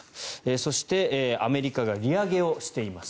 そして、アメリカが利上げをしています。